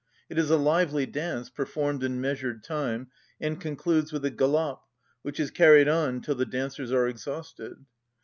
It is a lively dance, performed in measured time, and concludes with a galop, which is carried on till the dancers are exhausted.